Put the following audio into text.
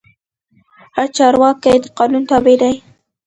هر چارواکی د قانون تابع دی